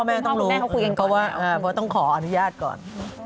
แม่ต้องรู้เองเพราะว่าต้องขออนุญาตก่อน